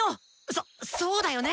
そそうだよね！